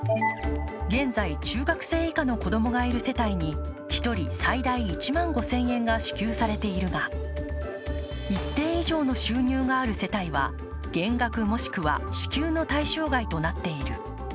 現在、中学生以下の子供がいる世帯に１人最大１万５０００円が支給されているが一定以上の収入がある世帯は減額、もしくは支給の対象外となっている。